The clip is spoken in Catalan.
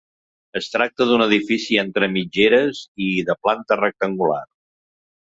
Es tracta d'un edifici entre mitgeres i de planta rectangular.